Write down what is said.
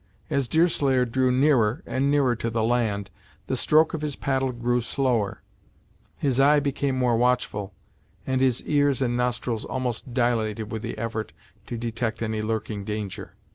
As Deerslayer drew nearer and nearer to the land, the stroke of his paddle grew slower, his eye became more watchful, and his ears and nostrils almost dilated with the effort to detect any lurking danger.